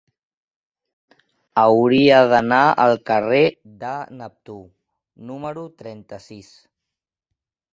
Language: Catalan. Hauria d'anar al carrer de Neptú número trenta-sis.